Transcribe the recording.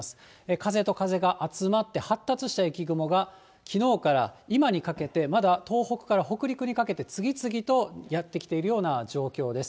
風と風が集まって発達した雪雲が、きのうから今にかけて、まだ東北から北陸にかけて次々とやって来ているような状況です。